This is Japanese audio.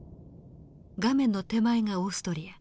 画面の手前がオーストリア。